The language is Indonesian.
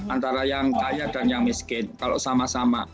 antara yang kaya dan yang miskin kalau sama sama